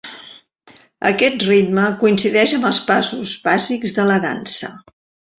Aquest ritme coincideix amb els passos bàsics de la dansa.